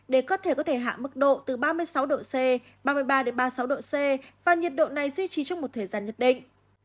để có thể có thể hạ mức độ từ ba mươi sáu độ c ba mươi ba ba mươi sáu độ c và nhiệt độ này duy trì trong một thời gian nhất định